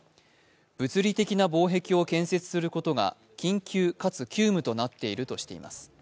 物理的な防壁を建設することが緊急かつ急務となっているとしています。